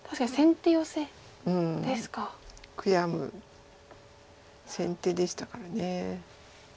悔やむ先手でしたから。